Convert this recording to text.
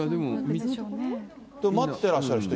待ってらっしゃる人。